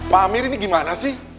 pak amir ini gimana sih